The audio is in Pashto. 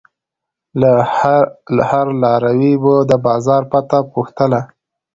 له هر لاروي به د بازار پته پوښتله.